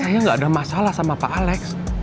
saya nggak ada masalah sama pak alex